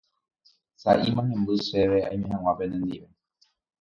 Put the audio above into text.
sa'íma hemby chéve aime hag̃ua penendive